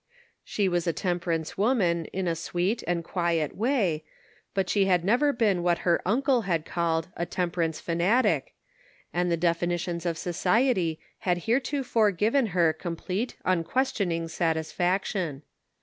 She was a temperance woman in a sweet and quiet way ; but she had never been what her uncle had called a " temperance fanatic," and the definitions of society had heretofore given her complete, unquestioning satisfaction.